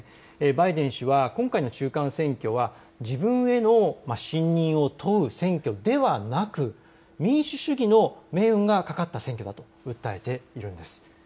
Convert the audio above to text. バイデン氏は今回の中間選挙は自分への信任を問う選挙ではなく民主主義の命運がかかった選挙だと訴えているんです。